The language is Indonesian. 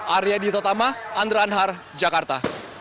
arya dita utama andra anhar jakarta